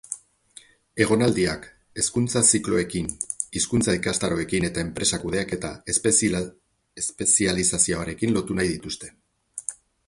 Egonaldiak hezkuntza zikloekin, hizkuntza ikastaroekin eta enpresa kudeaketa espezializazioarekin lotu nahi dituzte.